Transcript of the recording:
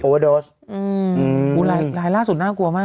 หลายล่ายล่ายล่ายสุดน่ากลัวมาก